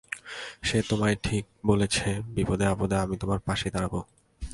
সে তোমায় ঠিকই বলেছে, বিপদে-আপদে আমি তোমার পাশে দাঁড়াব।